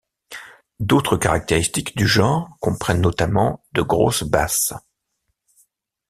D'autres caractéristiques du genre comprennent notamment de grosses basses.